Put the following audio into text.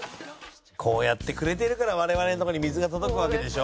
こうやってくれてるから我々の所に水が届くわけでしょ？